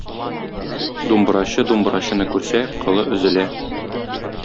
Думбырачы думбырачыны күрсә, кылы өзелә.